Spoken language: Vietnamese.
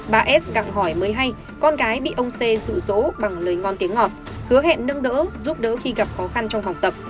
bà s gặng hỏi mới hay con gái bị ông c rủ dỗ bằng lời ngon tiếng ngọt hứa hẹn nâng đỡ giúp đỡ khi gặp khó khăn trong học tập